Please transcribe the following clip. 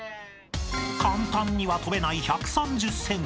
［簡単には跳べない１３０ｃｍ。